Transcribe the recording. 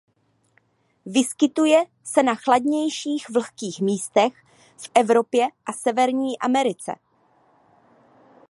Vyskytuje se na chladnějších vlhkých místech v Evropě a Severní Americe.